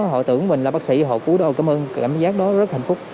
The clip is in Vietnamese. họ tưởng mình là bác sĩ họ cứu đôi cảm ơn cảm giác đó rất hạnh phúc